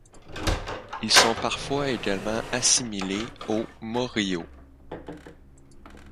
Ils sont parfois également assimilés aux mōryō.